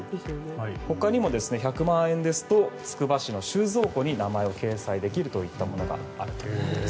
ほかにも１００万円だとつくば市の収蔵庫に名前が掲載できるというものがあるということです。